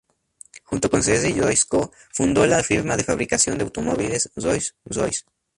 Junto con Henry Royce co-fundó la firma de fabricación de automóviles Rolls-Royce.